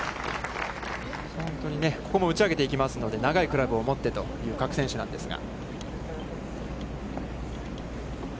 本当に、ここも打ち上げていきますので長いクラブを持ってという各選手なんですが。